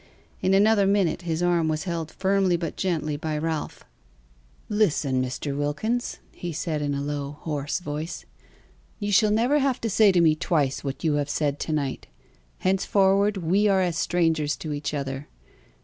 In another minute his arm was held firmly but gently by Ralph. "Listen, Mr. Wilkins," he said, in a low hoarse voice. "You shall never have to say to me twice what you have said to night. Henceforward we are as strangers to each other.